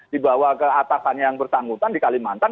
dibawa ke atasannya yang bersangkutan di kalimantan